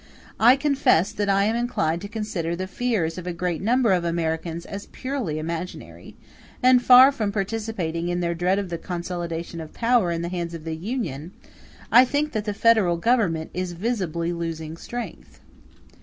I confess that I am inclined to consider the fears of a great number of Americans as purely imaginary; and far from participating in their dread of the consolidation of power in the hands of the Union, I think that the Federal Government is visibly losing strength.